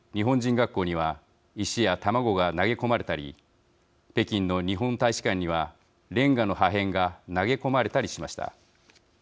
学校には石や卵が投げ込まれたり北京の日本大使館にはレンガの破片が投げ込まれたりしました。